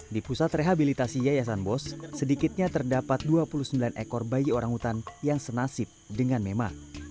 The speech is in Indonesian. di pusat rehabilitasi yayasan bos sedikitnya terdapat dua puluh sembilan ekor bayi orangutan yang senasib dengan mema